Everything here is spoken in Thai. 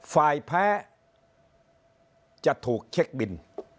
ฝ่ายแพ้จะถูกเช็คบิน